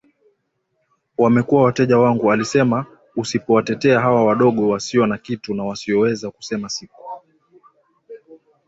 wamekuwa wateja wangu alisemaUsipowatetea hawa wadogo wasio na kitu na wasioweza kusema siku